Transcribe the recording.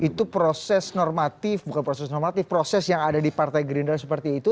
itu proses normatif bukan proses normatif proses yang ada di partai gerindra seperti itu